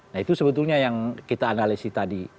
nah itu sebetulnya yang kita analisis tadi